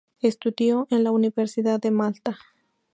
Estudió en la Universidad de Malta.